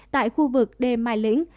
tại khu vực đê mai lĩnh